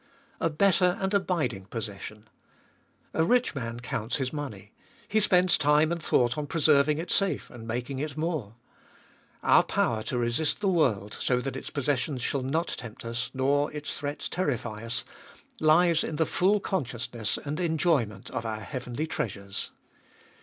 2. A better and abiding1 possession. A rich man counts his money. He spends time and thought on preserving it safe, and making it more. Our power to resist the world, so that its possessions shall not tempt us, nor Its threats terrify us, lies in the full consciousness and enjoyment of our heavenly treasures.